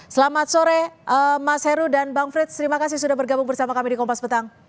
selamat sore mas heru dan bang frits terima kasih sudah bergabung bersama kami di kompas petang